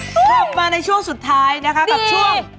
กลับมาในช่วงสุดท้ายนะคะกับช่วง